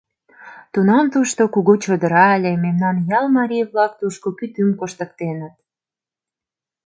Тунам тушто кугу чодыра ыле, мемнан ял марий-влак тушко кӱтӱм коштыктеныт.